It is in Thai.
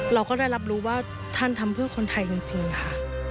เราก็ได้รับรู้ว่าท่านทำเพื่อคนไทยจริงค่ะ